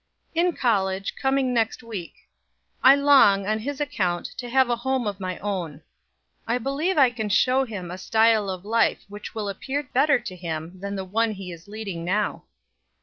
"In college; coming next week. I long, on his account, to have a home of my own. I believe I can show him a style of life which will appear better to him than the one he is leading now."